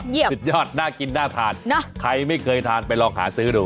สุดยอดน่ากินน่าทานใครไม่เคยทานไปลองหาซื้อดู